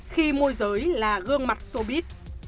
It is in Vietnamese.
khi môi giới là gương mặt xô bít